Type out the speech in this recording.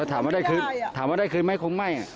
ถ้าถามว่าได้ขึ้นถามว่าได้ขึ้นไม่คงไม่